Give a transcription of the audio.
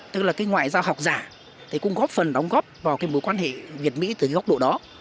tức là ngoại giao học giả thì cũng góp phần đóng góp vào mối quan hệ việt mỹ từ góc độ đó